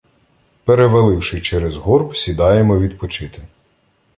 Переваливши через горб, сідаємо відпочити.